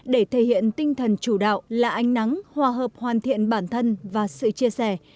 để thể hiện tinh thần chủ đạo là ánh nắng hòa hợp hoàn thiện bản thân và sự chia sẻ